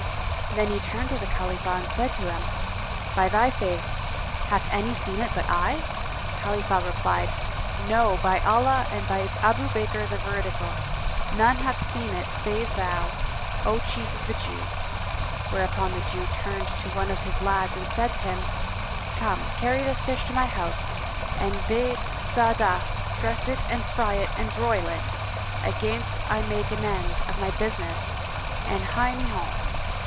Then he turned to Khalifah and said to him, "By thy faith, hath any seen it but I?" Khalifah replied, "No, by Allah, and by Abu Bakr the Veridical, [FN#204] none hath seen it save thou, O chief of the Jews!" Whereupon the Jew turned to one of his lads and said to him, "Come, carry this fish to my house and bid Sa'ádah [FN#205] dress it and fry and broil it, against I make an end of my business and hie me home."